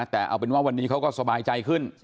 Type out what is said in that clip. แต่เอาเป็นว่าวันนี้เขาก็สบายใจขึ้น